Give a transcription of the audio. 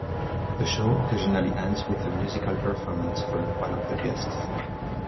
The show occasionally ends with a musical performance from one of the guests.